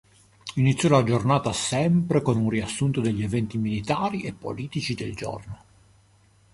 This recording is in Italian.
Iniziò la giornata sempre con un riassunto degli eventi militari e politici del giorno.